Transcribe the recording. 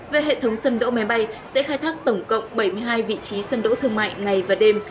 về hệ thống sân đỗ máy bay sẽ khai thác tổng cộng bảy mươi hai vị trí sân đỗ thương mại ngày và đêm